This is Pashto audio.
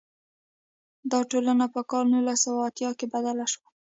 دا ټولنه په کال نولس سوه اتیا کې بدله شوه.